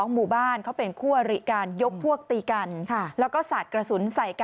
้องมุบานเป็นคั่วฬิกันยกพวกตีกันและการสาดกระสุนใส่กัน